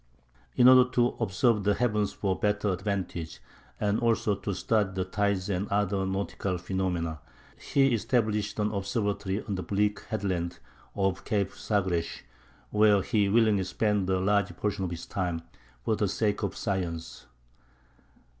In order to observe the heavens to better advantage, and also to study the tides and other nautical phenomena, he established an observatory on the bleak headland of Cape Sagres, where he willingly spent a large portion of his time for the sake of science.